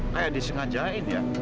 kayak disengajain ya